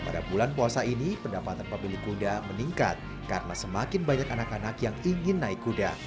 pada bulan puasa ini pendapatan pemilik kuda meningkat karena semakin banyak anak anak yang ingin naik kuda